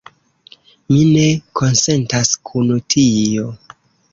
Mi ne konsentas kun tio.